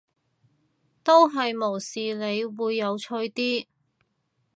都係無視你會有趣啲